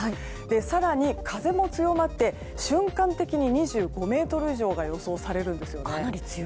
更に風も強まって瞬間的に２５メートル以上が予想されるんですよね。